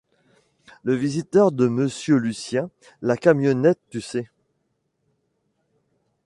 Le visiteur de monsieur Lucien, la camionnette, tu sais ?